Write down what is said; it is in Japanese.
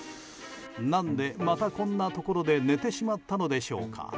何でまた、こんなところで寝てしまったのでしょうか。